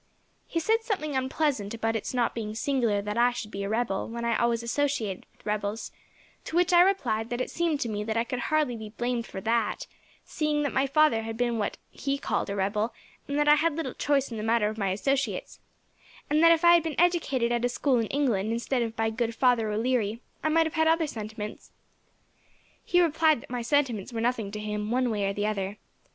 He said something unpleasant about its not being singular that I should be a rebel, when I always associated with rebels, to which I replied that it seemed to me that I could hardly be blamed for that, seeing that my father had been what he called a rebel, and that I had little choice in the matter of my associates; and that if I had been educated at a school in England, instead of by good Father O'Leary, I might have had other sentiments. He replied that my sentiments were nothing to him, one way or the other.